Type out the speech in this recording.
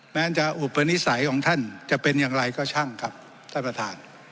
แม้จะอุปนิสัยของท่านจะเป็นอย่างไรก็ช่างครับท่านประธาน